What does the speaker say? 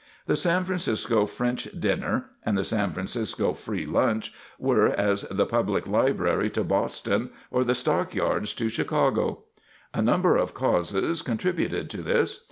The San Francisco French dinner and the San Francisco free lunch were as the Public Library to Boston or the stock yards to Chicago. A number of causes contributed to this.